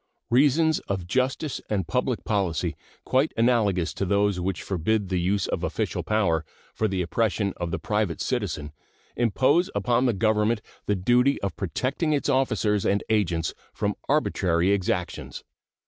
Reasons of justice and public policy quite analogous to those which forbid the use of official power for the oppression of the private citizen impose upon the Government the duty of protecting its officers and agents from arbitrary exactions.